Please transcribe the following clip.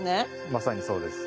まさにそうです。